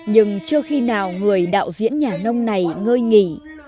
nhưng chưa khi nào người đạo diễn nhà nông này ngơi nghỉ